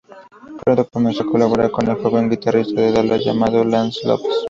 Pronto comenzó a colaborar con el joven guitarrista de Dallas llamado Lance López.